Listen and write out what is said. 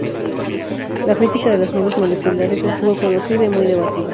La física de las nubes moleculares es poco conocida y muy debatida.